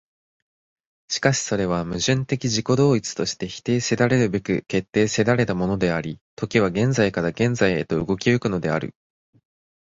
しかしそれは矛盾的自己同一として否定せられるべく決定せられたものであり、時は現在から現在へと動き行くのである。